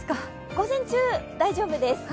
午前中、大丈夫です。